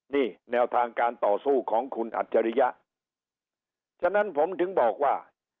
นี่แนวทางการต่อสู้ของคุณอัจฉริยะฉะนั้นผมถึงบอกว่า